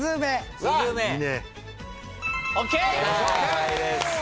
正解です。